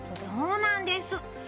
そうなんです。